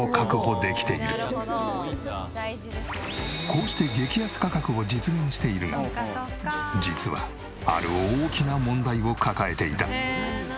こうして激安価格を実現しているが実はある大きな問題を抱えていた。